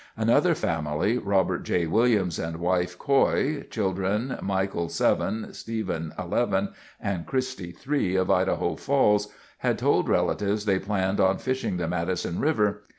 Another family, Robert J. Williams and wife, Coy, children Michael, 7; Steven, 11; and Christy, 3, of Idaho Falls, had told relatives they planned on fishing the Madison River.